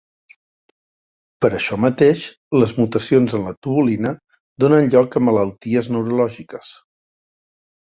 Per això mateix, les mutacions en la tubulina, donen lloc a malalties neurològiques.